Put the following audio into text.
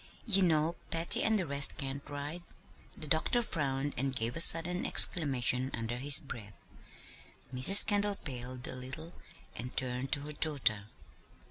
"You know Patty and the rest can't ride." The doctor frowned, and gave a sudden exclamation under his breath. Mrs. Kendall paled a little and turned to her daughter.